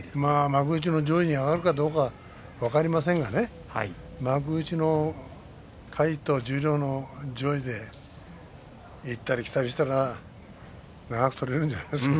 幕内の上位に上がるかどうかは分かりませんけれど幕内の下位と十両の上位で行ったり来たりしたら長く取れるんじゃないですか。